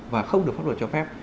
và không được pháp luật cho phép